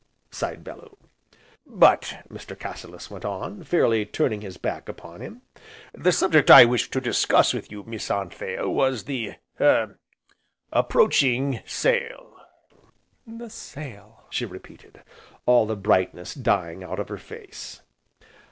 sighed Bellew. "But," Mr. Cassilis went on, fairly turning his back upon him, "the subject I wished to discuss with you, Miss Anthea, was the er approaching sale." "The sale!" she repeated, all the brightness dying out of her face.